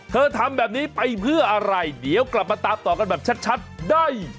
ทำแบบนี้ไปเพื่ออะไรเดี๋ยวกลับมาตามต่อกันแบบชัดได้